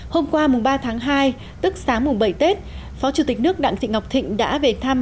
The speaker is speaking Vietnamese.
hôm qua mùng ba tháng hai tức sáng mùng bảy tết phó chủ tịch nước đặng thị ngọc thịnh đã về thăm